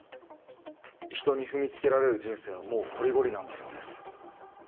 人に踏みつけられる人生はもうこりごりなんだそうです